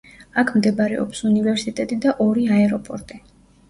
აქ მდებარეობს უნივერსიტეტი და ორი აეროპორტი.